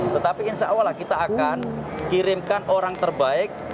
tetapi insya allah kita akan kirimkan orang terbaik